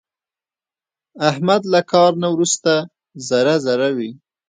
احمد له کار نه ورسته ذره ذره وي.